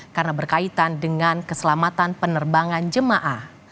karena berkaitan dengan keselamatan penerbangan jemaah